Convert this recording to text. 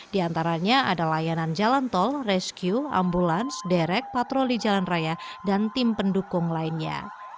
di antaranya ada layanan jalan tol rescue ambulans derek patroli jalan raya dan tim pendukung lainnya